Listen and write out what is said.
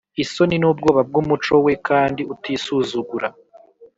isoni n’ubwoba bw’umuco we kandi utisuzugura.